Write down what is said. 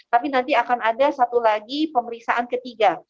tapi nanti akan ada satu lagi pemeriksaan ketiga